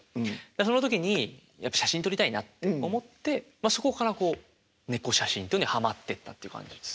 その時にやっぱ写真撮りたいなって思ってそこから猫写真っていうのにはまってったっていう感じです。